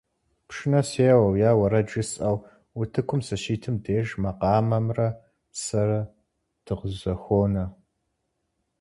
Пшынэ сеуэу е уэрэд жысӀэу утыкум сыщитым деж, макъамэмрэ сэрэ дыкъызэхуонэ.